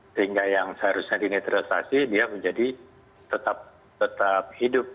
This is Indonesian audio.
sehingga yang seharusnya dinetralisasi dia menjadi tetap hidup